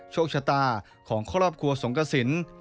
โชคชะตาของครอบครัวสงกระสิน